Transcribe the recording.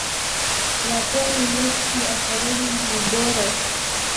راپور مې نېټ کې اچولی ويې ګوره.